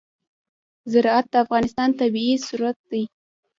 زراعت د افغانستان طبعي ثروت دی.